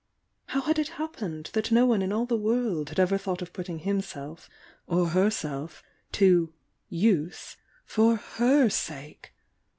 How had it happened that no one in all the world had ever thought of puttmg himself (or herself) to "use" for H.r sake!